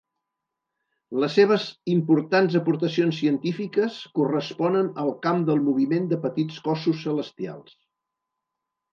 Les seves importants aportacions científiques corresponen al camp del moviment de petits cossos celestials..